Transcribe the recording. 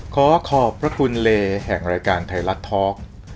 ขอขอบพระคุณเลแห่งรายการไทยรัฐทอล์ก